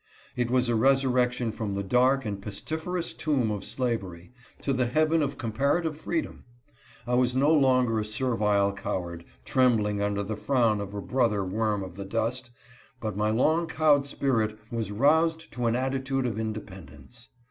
It was a resurrection from the dark and pestiferous tomb of slavery, to the heaven of comparative freedom. I was no longer a servile coward, trembling under the frown of a brother worm of the dust, but my long cowed spirit was roused to an attitude of independence..